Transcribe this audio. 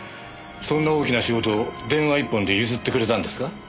そんな大きな仕事を電話一本で譲ってくれたんですか？